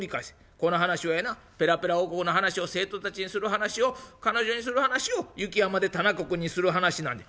この話はやなペラペラ王国の話を生徒たちにする話を彼女にする話を雪山で田中君にする話なんじゃ」。